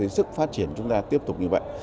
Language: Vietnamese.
sức phát triển chúng ta tiếp tục như vậy